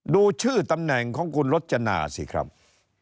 ดูชื่อตำแหน่งของคุณรจนาสิครับ